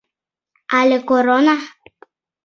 Але Корона?